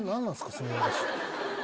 その話。